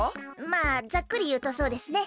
まあざっくりいうとそうですね。